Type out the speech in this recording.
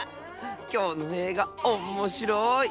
きょうのえいがおっもしろい！